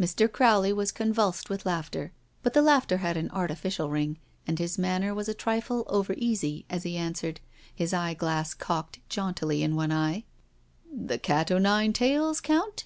Mr. Crowley was convulsed with laughter; but the laughter had an artificial ring, and his manner was a trifle over easy as he answered, his eye glass cocked jauntily in one eye: THE DINNER PARTY 229 "The cat o' nine tailSj Count?